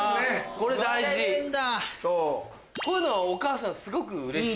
こういうのお母さんすごくうれしい。